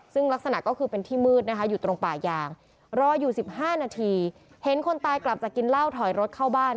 ซึ่งลักษณะก็คือเป็นที่มืดนะคะอยู่ตรงป่ายางรออยู่๑๕นาทีเห็นคนตายกลับจะกินเหล้าถอยรถเข้าบ้าน